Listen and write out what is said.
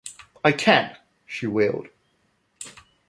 "I can't," she wailed.